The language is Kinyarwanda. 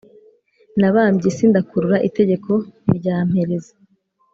nabambye isi ndakurura itegeko ntiryampereza